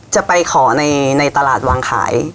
จะไปขอในตลาดวางขาย